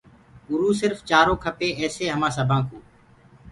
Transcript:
اُروُ سرڦ چآرو کپي ايسيئيٚ همآن سبآن ڪي